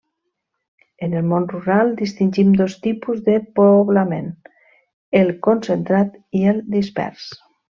En el món rural distingim dos tipus de poblament: el concentrat i el dispers.